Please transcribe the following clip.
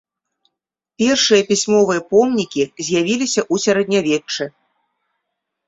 Першыя пісьмовыя помнікі з'явіліся ў сярэднявеччы.